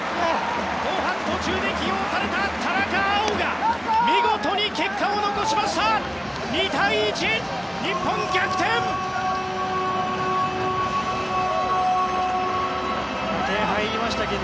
後半、途中で起用された田中碧が見事に結果を残しました！